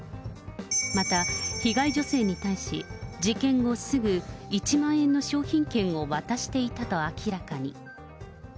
また、被害女性に対し、事件後すぐ、１万円の商品券を渡していたと明らかに。